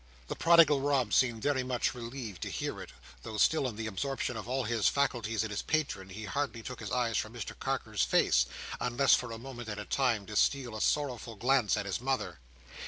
The prodigal Rob seemed very much relieved to hear it: though still in the absorption of all his faculties in his patron, he hardly took his eyes from Mr Carker's face, unless for a moment at a time to steal a sorrowful glance at his mother.